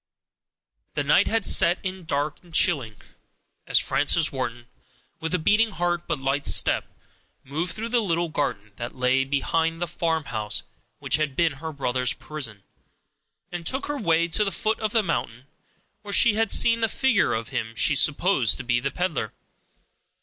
The night had set in dark and chilling, as Frances Wharton, with a beating heart but light step, moved through the little garden that lay behind the farmhouse which had been her brother's prison, and took her way to the foot of the mountain, where she had seen the figure of him she supposed to be the peddler.